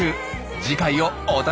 次回をお楽しみに！